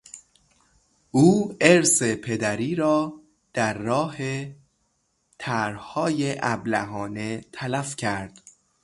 او ارث پدری را در راه طرحهای ابلهانه تلف کرد.